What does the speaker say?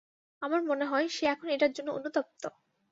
আমার মনে হয়, সে এখন এটার জন্য অনুতপ্ত।